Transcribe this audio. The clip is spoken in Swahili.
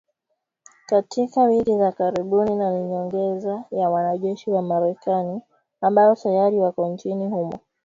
Katika wiki za karibuni na ni nyongeza ya wanajeshi wa Marekani ambao tayari wako nchini humo.